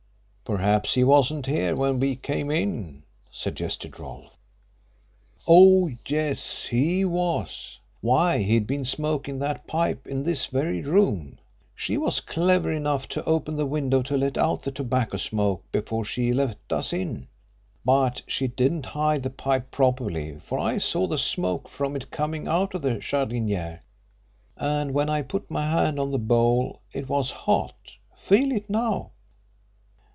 "Perhaps he wasn't here when we came in," suggested Rolfe. "Oh, yes, he was. Why, he'd been smoking that pipe in this very room. She was clever enough to open the window to let out the tobacco smoke before she let us in, but she didn't hide the pipe properly, for I saw the smoke from it coming out of the jardinière, and when I put my hand on the bowl it was hot. Feel it now."